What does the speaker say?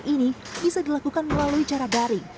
ini bisa dilakukan melalui cara daring